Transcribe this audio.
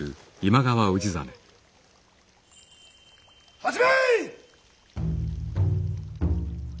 始め！